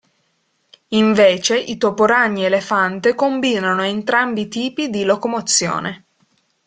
Invece, i toporagni elefante combinano entrambi tipi di locomozione.